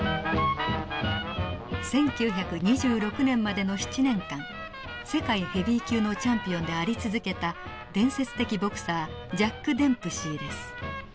１９２６年までの７年間世界ヘビー級のチャンピオンであり続けた伝説的ボクサージャック・デンプシーです。